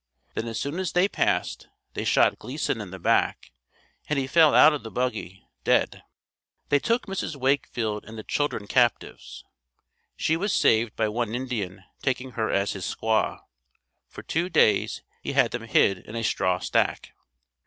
Then as soon as they passed, they shot Gleason in the back, and he fell out of the buggy, dead. They took Mrs. Wakefield and the children captives. She was saved by one Indian taking her as his squaw. For two days, he had them hid in a straw stack.